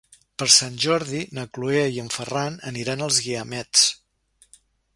Per Sant Jordi na Cloè i en Ferran aniran als Guiamets.